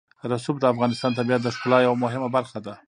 رسوب د افغانستان د طبیعت د ښکلا یوه مهمه برخه ده.